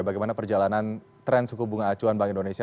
bagaimana perjalanan tren suku bunga acuan bank indonesia